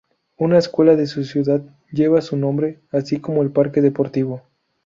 Una escuela de su ciudad lleva su nombre, así como el parque deportivo.